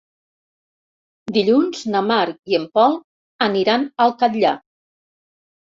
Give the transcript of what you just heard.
Dilluns na Mar i en Pol aniran al Catllar.